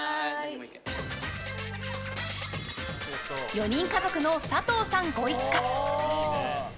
４人家族の佐藤さんご一家。